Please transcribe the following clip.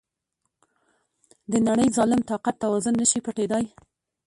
د نړی ظالم طاقت توازن نشي پټیدای.